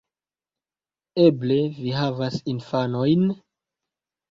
Eble vi havas infanojn?